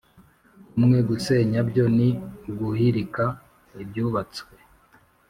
umwe gusenya byo ni uguhirika ibyubatswe